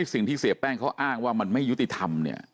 สิ่งที่เสียแป้งเขาอ้างว่ามันไม่ยุติธรรมเนี่ย